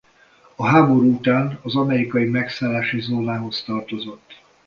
A háború után az amerikai megszállási zónához tartozott.